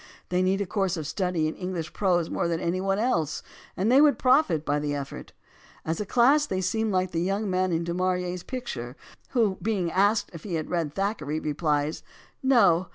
They need a course of study in Eng lish prose more than any one else, and they would profit by the effort. As a class they seem to be like the young man in Du Manner's picture, who, being asked if he had read Thackeray, replies, " No.